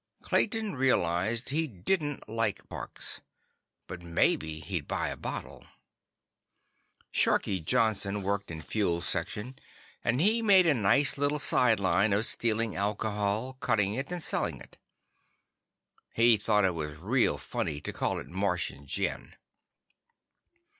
Clayton realized he didn't like Parks. But maybe he'd buy a bottle. Sharkie Johnson worked in Fuels Section, and he made a nice little sideline of stealing alcohol, cutting it, and selling it. He thought it was real funny to call it Martian Gin.